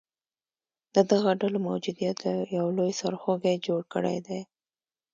د دغه ډلو موجودیت یو لوی سرخوږې جوړ کړیدی